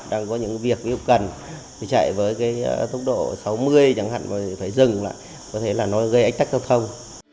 đang có những việc yêu cần chạy với tốc độ sáu mươi chẳng hạn phải dừng lại có thể là nó gây ách tách giao thông